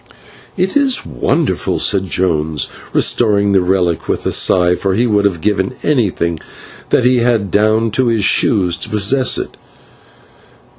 '" "It is wonderful," said Jones, restoring the relic with a sigh, for he would have given everything that he had, down to his shoes, to possess it.